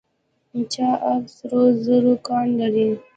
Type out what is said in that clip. چاه اب سرو زرو کان لري؟